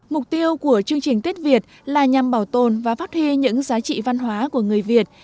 mục tiêu của chương trình tết việt là nhằm bảo tồn và phát huy những giá trị văn hóa của người việt